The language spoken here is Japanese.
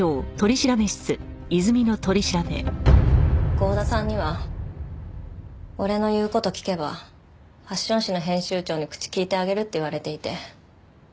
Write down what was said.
郷田さんには俺の言う事聞けばファッション誌の編集長に口利いてあげるって言われていて。